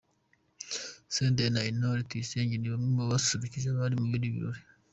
Senderi na Intore Tuyisenge ni bamwe mu basusurukije abari muri ibi birori.